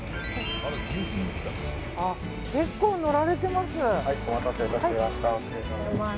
結構、乗られてます。